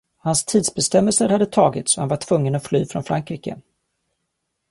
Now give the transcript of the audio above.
Hans tidsbestämmelser hade tagits och han var tvungen att fly från Frankrike.